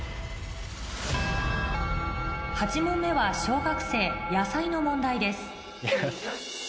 ８問目は小学生野菜の問題です